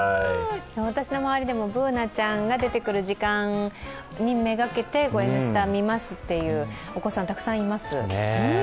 私の周りでも、Ｂｏｏｎａちゃんが出てくる時間にめがけて「Ｎスタ」見ますというお子さん、たくさんいます。